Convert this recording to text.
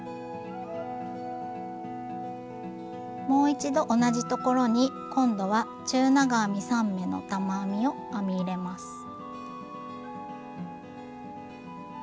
もう一度同じところに今度は中長編み３目の玉編みを編み入れます。